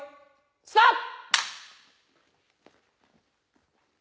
スタート。